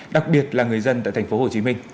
đặc biệt là người dân tại tp hcm